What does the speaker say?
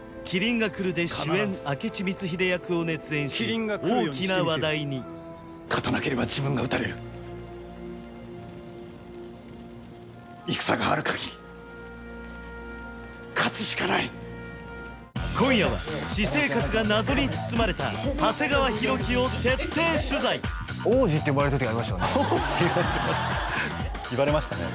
「麒麟がくる」で主演明智光秀役を熱演し大きな話題に勝たなければ自分が討たれる戦があるかぎり勝つしかない今夜は私生活が謎に包まれた長谷川博己を徹底取材王子言われましたね